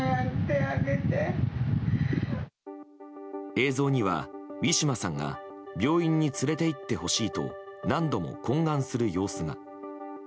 映像にはウィシュマさんが病院に連れて行ってほしいと何度も懇願する様子が。